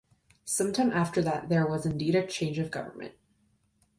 Some time after that there was indeed a change of government.